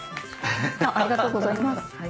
ありがとうございます。